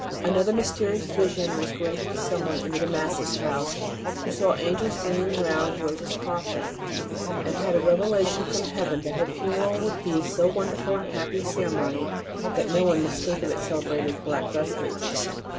Another mysterious vision was granted to someone in the De Massas house, who saw angels singing round Rose s coffin, and had a revelation from heaven that her funeral would be so wonderful and happy a ceremony that no one must think of having it celebrated with black vestments.